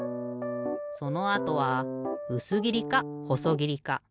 そのあとはうすぎりかほそぎりか。